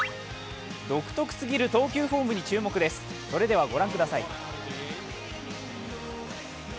独特すぎる投球フォームに注目です、それでは御覧ください。